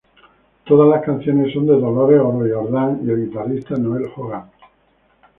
Todas las canciones son de Dolores O'Riordan y el guitarrista Noel Hogan.